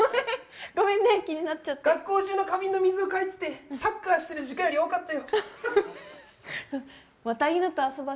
学校中の花瓶の水を換えててサッカーしてる時間より多かったよ。